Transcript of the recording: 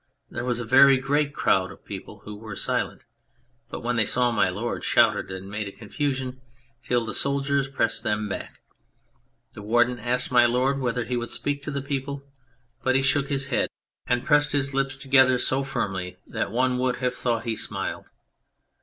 There was a very great crowd of people who were silent, but when they saw My Lord shouted and made a con fusion, till the soldiers pressed them back. The Warden asked My Lord whether he would speak to the people, but he shook his head and pressed his 95 On Anything lips together so firmly that one would have thought he smiled.